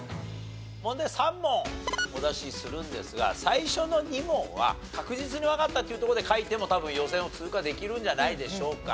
問題３問お出しするんですが最初の２問は確実にわかったっていうところで書いても多分予選を通過できるんじゃないでしょうか。